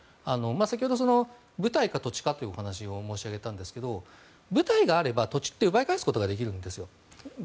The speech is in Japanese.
先ほど部隊か土地かというお話を申し上げたんですけど部隊があれば、土地って奪い返すことができるんです。